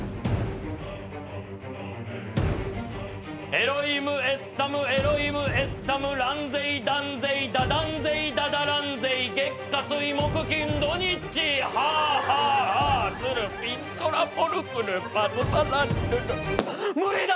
「エロイムエッサムエロイムエッサムランゼイダンゼイダダンゼイダダランゼイゲッカスイモクキンドニッチハーハーハースルピントラポルクルバズバランルル」無理だ！